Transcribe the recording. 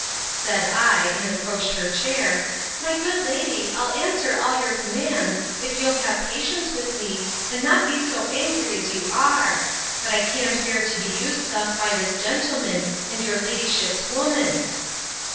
—Said I, and approached her chair, My good lady, I'll answer all your commands, if you'll have patience with me, and not be so angry as you are: But I can't bear to be used thus by this gentleman, and your ladyship's woman.